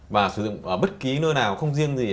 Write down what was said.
và sử dụng ở bất cứ nơi nào không riêng gì